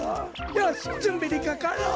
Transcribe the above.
よしじゅんびにかかろう！